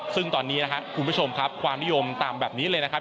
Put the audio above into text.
ซึ่งตอนนี้นะครับคุณผู้ชมครับความนิยมต่ำแบบนี้เลยนะครับ